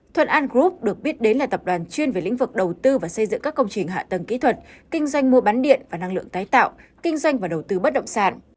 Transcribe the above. thuận an group được biết đến là tập đoàn chuyên về lĩnh vực đầu tư và xây dựng các công trình hạ tầng kỹ thuật kinh doanh mua bán điện và năng lượng tái tạo kinh doanh và đầu tư bất động sản